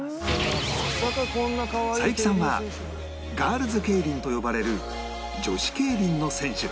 桜雪さんはガールズケイリンと呼ばれる女子競輪の選手